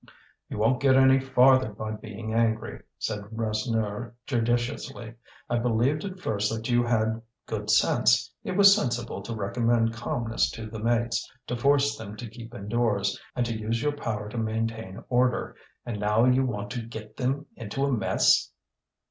"You won't get any farther by being angry," said Rasseneur judiciously. "I believed at first that you had good sense. It was sensible to recommend calmness to the mates, to force them to keep indoors, and to use your power to maintain order. And now you want to get them into a mess!"